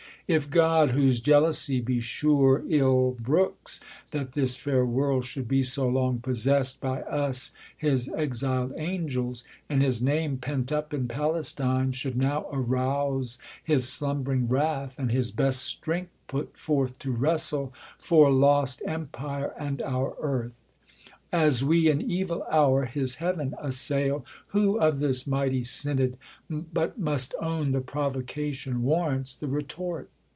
If God whose jealousy be sure ill brooks That this fair world should be so long possessed By us his exil'd angels, and his name, Pent up in Palestine, should now arouse His slumbering wrath, and his best strength pr.t forth To \\Testle for lost empire, and our earth. As we in evil hour his heaven, assail, Who of this mighty synod blit must own The provocation waiTants the retort